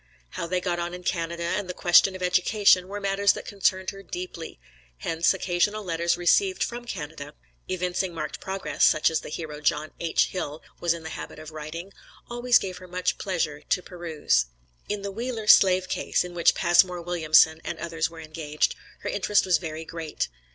How they got on in Canada, and the question of education, were matters that concerned her deeply; hence, occasional letters received from Canada, evincing marked progress, such as the hero John H. Hill was in the habit of writing, always gave her much pleasure to peruse. In the Wheeler slave case, in which Passmore Williamson and others were engaged, her interest was very great.